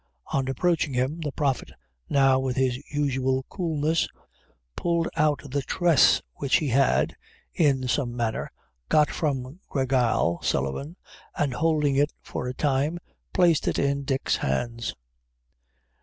On approaching him, the Prophet now, with his usual coolness, pulled out the tress which he had, in some manner, got from Gra Gal Sullivan, and holding it for a time, placed it in Dick's hands.